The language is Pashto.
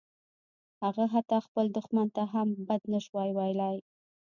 هغه حتی خپل دښمن ته هم بد نشوای ویلای